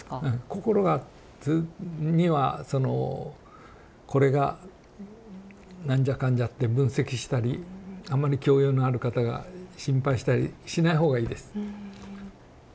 心がにはその「これがなんじゃかんじゃ」って分析したりあんまり教養のあるかたが心配したりしないほうがいいです。